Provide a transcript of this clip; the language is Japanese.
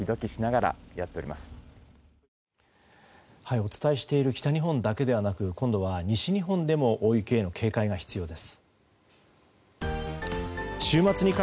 お伝えしている北日本だけでなく今度は西日本でも大雪への警戒が必要です。